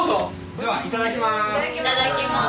ではいただきます。